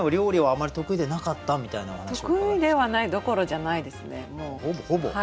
得意ではないどころじゃないですね。